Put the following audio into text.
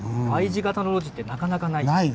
Ｙ字型の路地ってなかなかないです。